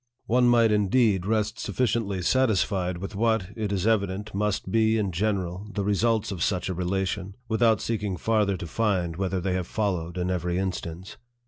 One might, indeed, rest sufficiently satisfied with what, it is evident, must be, in general, the results of such a relation, without seeking farther to find whether they have followed in every instance.